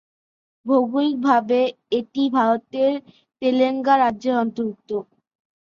ভৌগোলিকভাবে এটি ভারতের তেলেঙ্গানা রাজ্যের অন্তর্গত।